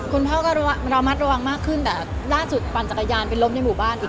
คุณหมอมาว่าถ้าเลือกไม่ได้ว่ากลับไปสูบอีก